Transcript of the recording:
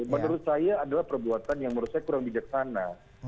menurut saya adalah perbuatan yang menurut saya kurang bijaksana